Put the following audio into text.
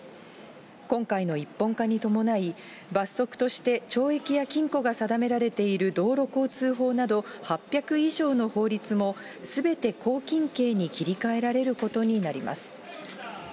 今回の一本化に伴い、罰則として懲役や禁錮が定められている道路交通法など８００以上の法律も、すべて拘禁刑に切り替えられることになります。